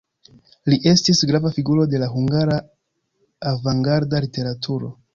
Li estis grava figuro de la hungara avangarda literaturo.